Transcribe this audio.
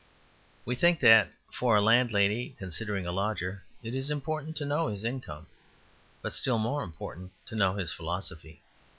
We think that for a landlady considering a lodger, it is important to know his income, but still more important to know his philosophy.